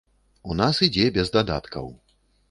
У нас ідзе без дадаткаў.